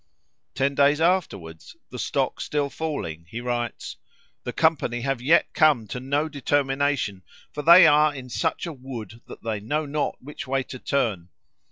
Ten days afterwards, the stock still falling, he writes: "The company have yet come to no determination, for they are in such a wood that they know not which way to turn.